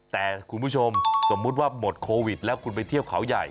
แต่คุณผู้ชมสมมุติว่าหมดโควิดแล้วคุณไปเที่ยวเขาใหญ่